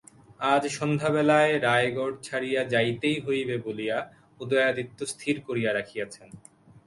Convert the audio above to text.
আজ সন্ধ্যাবেলায় রায়গড় ছাড়িয়া যাইতেই হইবে বলিয়া উদয়াদিত্য স্থির করিয়া রাখিয়াছেন।